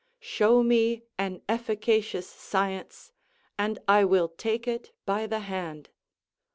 ["Show me and efficacious science, and I will take it by the hand."